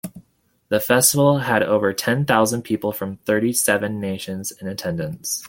The festival had over ten thousand people from thirty-seven nations in attendance.